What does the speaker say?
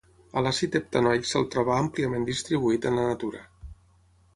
A l'àcid heptanoic se'l troba àmpliament distribuït en la natura.